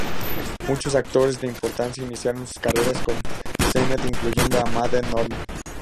Muchos actores de importancia iniciaron sus carreras con Sennett, incluyendo a Mabel Normand.